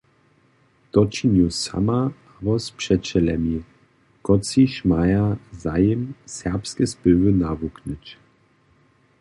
To činju sama abo z přećelemi, kotřiž maja zajim, serbske spěwy nawuknyć.